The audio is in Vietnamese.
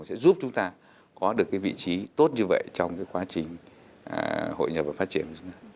sẽ giúp chúng ta có được cái vị trí tốt như vậy trong quá trình hội nhập và phát triển